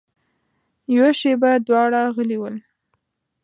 يوه شېبه دواړه غلي ول.